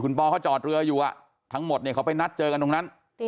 ปอเขาจอดเรืออยู่ทั้งหมดเนี่ยเขาไปนัดเจอกันตรงนั้น